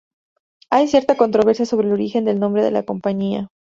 Hay cierta controversia sobre el origen del nombre de la compañía.